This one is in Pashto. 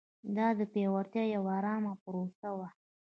دا د پیاوړتیا یوه ارامه پروسه وه.